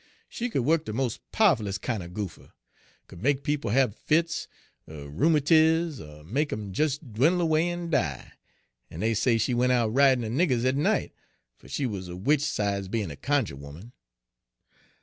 She could wuk de mos' powerfulles' kin' er goopher, could make people hab fits, er rheumatiz, er make 'em des dwinel away en die; en dey say she went out ridin' de niggers at night, fer she wuz a witch 'sides bein' a cunjuh 'oman.